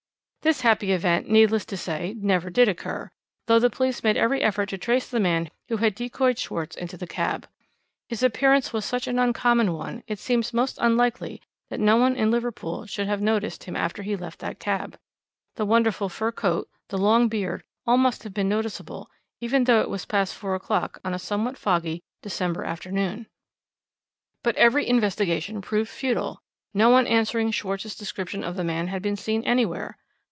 "This happy event, needless to say, never did occur, though the police made every effort to trace the man who had decoyed Schwarz into the cab. His appearance was such an uncommon one; it seemed most unlikely that no one in Liverpool should have noticed him after he left that cab. The wonderful fur coat, the long beard, all must have been noticeable, even though it was past four o'clock on a somewhat foggy December afternoon. "But every investigation proved futile; no one answering Schwarz's description of the man had been seen anywhere.